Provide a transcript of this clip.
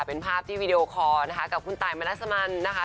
เป็นภาพที่วีดีโอคอร์นะคะกับคุณตายมนัสมันนะคะ